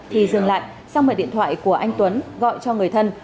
thì dừng lại sang mở điện thoại của anh tuấn gọi cho người thân